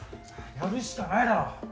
やるしかないだろ。